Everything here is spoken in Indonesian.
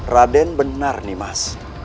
raden benar nih mas